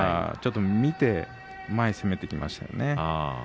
ちょっと見て前に攻めてきましたね。